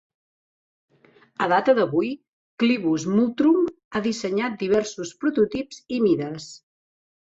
A data d'avui, Clivus Multrum ha dissenyat diversos prototips i mides.